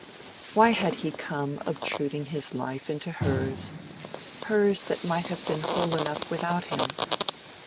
Why had he come obtruding his life into hers, hers that might have been whole enough without him?